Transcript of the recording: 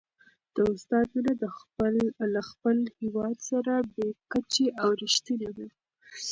د استاد مینه له خپل هېواد سره بې کچې او رښتینې وه.